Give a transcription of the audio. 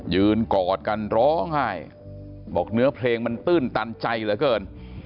กอดกันร้องไห้บอกเนื้อเพลงมันตื้นตันใจเหลือเกิน